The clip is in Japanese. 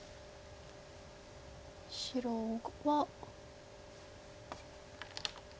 白は。